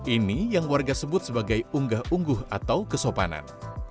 ini yang warga sebut sebagai unggah ungguh atau kesopanan